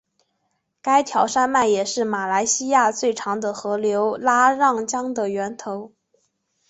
该条山脉也是马来西亚最长的河流拉让江的源头。